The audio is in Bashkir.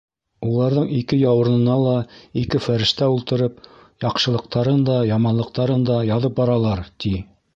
Уларҙың ике яурынына ла ике фәрештә ултырып, яҡшылыҡтарын да, яманлыҡтарын да яҙып баралар, ти.